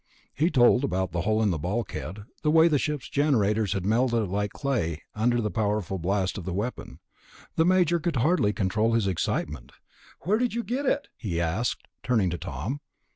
He told about the hole in the bulkhead, the way the ship's generators had melted like clay under the powerful blast of the weapon. The Major could hardly control his excitement. "Where did you get it?" he asked, turning to Tom.